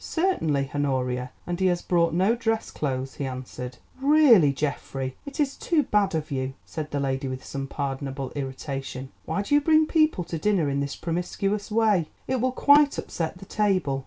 "Certainly, Honoria, and he has brought no dress clothes," he answered. "Really, Geoffrey, it is too bad of you," said the lady with some pardonable irritation. "Why do you bring people to dinner in this promiscuous way? It will quite upset the table.